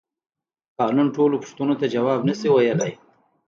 قانون ټولو پیښو ته ځواب نشي ویلی.